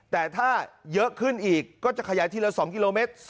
แต่ถ้าเยอะขึ้นอีกก็จะขยายทีละ๒กิโลเมตร